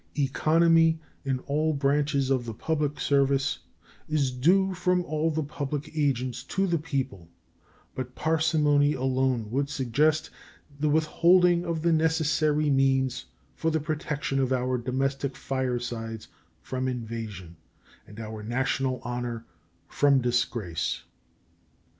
Economy in all branches of the public service is due from all the public agents to the people, but parsimony alone would suggest the withholding of the necessary means for the protection of our domestic firesides from invasion and our national honor from disgrace.